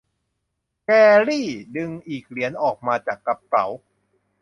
แกรี่ ดึงอีกเหรียญออกมาจากกระเป๋า